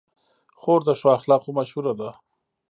خور د ښو اخلاقو مشهوره ده.